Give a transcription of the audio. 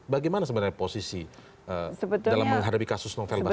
bagaimana sebenarnya posisi dalam menghadapi kasus novel baswedan